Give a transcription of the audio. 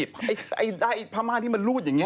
ไอ้ผ้าม่าที่มันรูดอย่างนี้